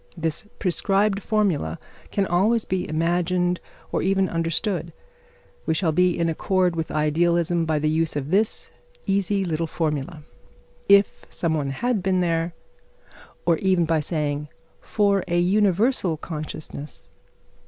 This prescribed formula can always be imagined or even understood. We shall be in accord with idealism by the use of this easy little formula, "If some one had been there," or even by saying, "For a universal consciousness...."